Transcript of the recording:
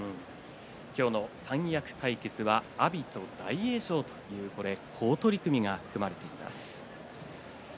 今日の三役対決は阿炎と大栄翔好取組が組まれています。